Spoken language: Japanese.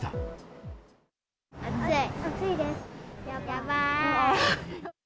やばーい。